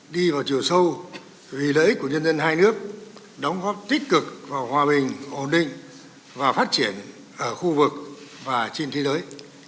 đi vào chiều sâu vì lợi ích của nhân dân hai nước đóng góp tích cực vào hòa bình ổn định và phát triển ở khu vực và trên thế giới